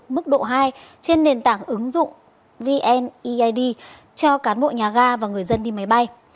mức độ hai trên nền tảng ứng dụng vneid cho cán bộ nhà ga và người dân đi máy bay